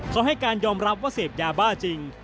เขาให้การยอมรับว่าเสพยาบ้าจริง